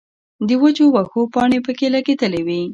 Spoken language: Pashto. د وچو وښو پانې پکښې لګېدلې وې